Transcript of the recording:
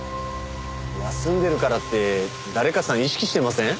休んでるからって誰かさん意識してません？